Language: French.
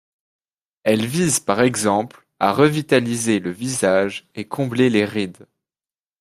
Elle vise par exemple à revitaliser le visage et combler les rides.